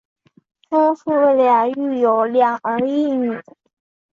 夫妇俩育有两儿一女。